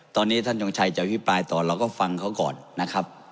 ตอนนี้ท่านยงชัยจะอภิปรายต่อเราก็ฟังเขาก่อนนะครับ